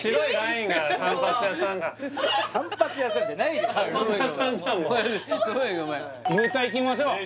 いきましょう！